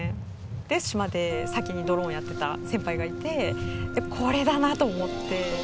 で島で先にドローンやってた先輩がいてこれだなと思って。